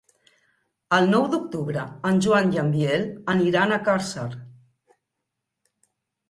El nou d'octubre en Joan i en Biel aniran a Càrcer.